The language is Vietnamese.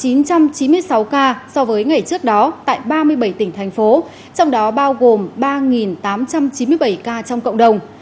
tăng chín trăm chín mươi sáu ca so với ngày trước đó tại ba mươi bảy tỉnh thành phố trong đó bao gồm ba tám trăm chín mươi bảy ca trong cộng đồng